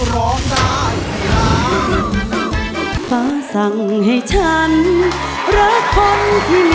ร้องร้าน